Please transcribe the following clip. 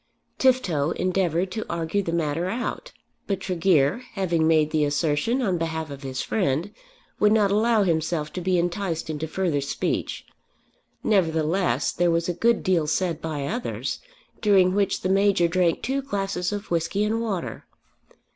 Tifto endeavoured to argue the matter out; but Tregear having made the assertion on behalf of his friend would not allow himself to be enticed into further speech. Nevertheless there was a good deal said by others, during which the Major drank two glasses of whisky and water.